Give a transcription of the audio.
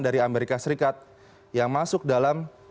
dari amerika serikat yang masuk dalam